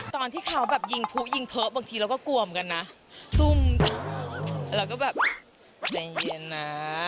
ตอนที่เขาแบบยิงผู้ยิงเพลอะบางทีเราก็กลัวเหมือนกันนะตุ้มแล้วก็แบบใจเย็นนะ